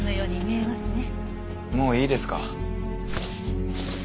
もういいですか？